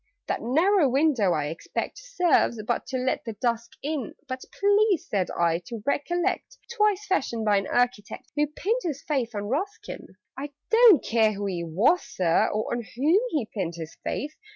"That narrow window, I expect, Serves but to let the dusk in " "But please," said I, "to recollect 'Twas fashioned by an architect Who pinned his faith on Ruskin!" "I don't care who he was, Sir, or On whom he pinned his faith!